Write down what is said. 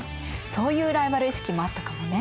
そういうライバル意識もあったかもね。